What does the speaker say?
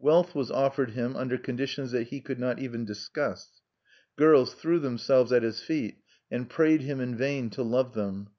Wealth was offered him under conditions that he could not even discuss. Girls threw themselves at his feet, and prayed him in vain to love them.